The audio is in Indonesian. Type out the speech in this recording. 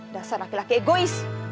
dasar laki laki egois